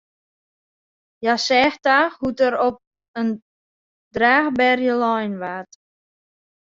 Hja seach ta hoe't er op in draachberje lein waard.